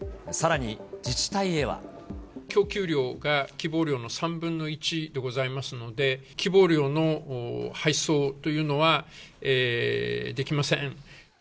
供給量が希望量の３分の１でございますので、希望量の配送というのはできません。